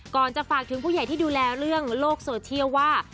จะฝากถึงผู้ใหญ่ที่ดูแลเรื่องโลกโซเชียลว่า